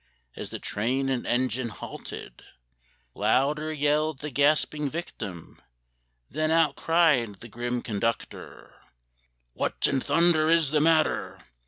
As the train and engine halted, Louder yelled the gasping victim. Then out cried the grim conductor, "What in thunder is the matter?